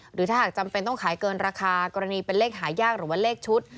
หรือถ้าหากจำเป็นต้องขายเกินราคากรณีเป็นเลขหายากหรือว่าเลขชุด